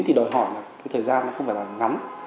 thì đòi hỏi là cái thời gian nó không phải là ngắn